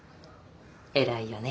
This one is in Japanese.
偉いよね